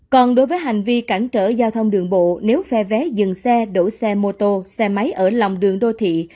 còn đối với hành vi cản trở giao thông đường bộ nếu phe vé dừng xe đổ xe mô tô xe máy ở lòng đường đô thị